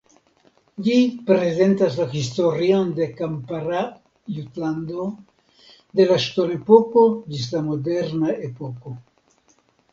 Ĝi prezentas la historion de kampara Jutlando de la ŝtonepoko ĝis la moderna epoko.